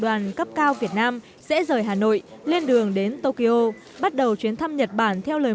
đoàn cấp cao việt nam sẽ rời hà nội lên đường đến tokyo bắt đầu chuyến thăm nhật bản theo lời